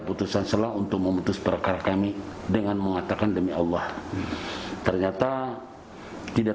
putusan selah untuk memutus perkara kami dengan mengatakan demi allah ternyata tidak